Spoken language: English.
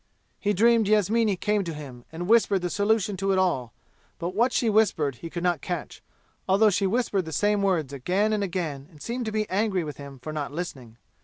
He dreamed Yasmini came to him and whispered the solution to it all, but what she whispered he could not catch, although she whispered the same words again and again and seemed to be angry with him for not listening.